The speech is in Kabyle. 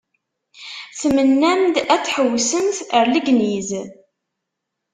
Tmennam-d ad tḥewwsemt ar Legniz.